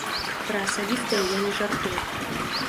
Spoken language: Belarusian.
Пра асабістае я не жартую.